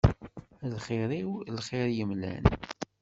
A lxir-iw lxir yemlan.